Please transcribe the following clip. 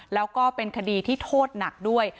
แล้วก็เป็นคดีที่โทษหนักด้วย